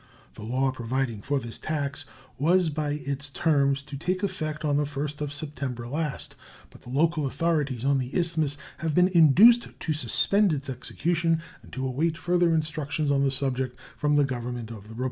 The law providing for this tax was by its terms to take effect on the 1st of September last, but the local authorities on the Isthmus have been induced to suspend its execution and to await further instructions on the subject from the Government of the Republic.